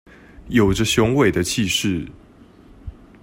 有著雄偉的氣勢